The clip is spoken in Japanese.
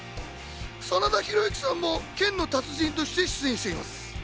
真田広之さんも剣の達人として出演しています。